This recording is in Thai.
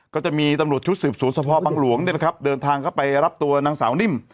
ก็จะมีตำรวจชุดสืบสวนสภบังหลวงเดินทางเข้าไปรับตัวนางสาวนิ่ม